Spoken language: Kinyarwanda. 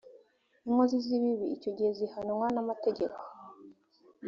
inkozi zibibi icyo gihe zihanwa n’ amategeko.